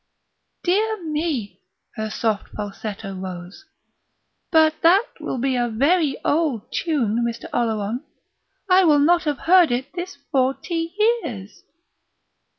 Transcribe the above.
"De ar me!" her soft falsetto rose. "But that will be a very o ald tune, Mr. Oleron! I will not have heard it this for ty years!"